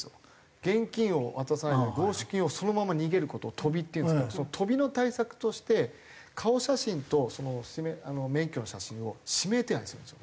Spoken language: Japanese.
現金を渡さないで強取金をそのまま逃げる事を飛びっていうんですけどその飛びの対策として顔写真と免許の写真を指名手配するんですよ